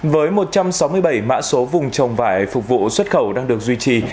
với một trăm sáu mươi bảy mã số vùng trồng vải phục vụ xuất khẩu đang được duy trì